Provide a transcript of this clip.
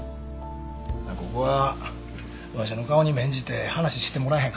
ここはわしの顔に免じて話してもらえへんか？